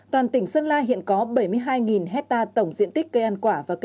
toàn tỉnh sơn la hiện có bảy mươi hai hectare tổng diện tích